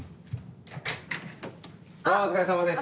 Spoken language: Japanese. お疲れさまです。